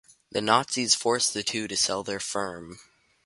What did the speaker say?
The nazis forced the two to sell their firm.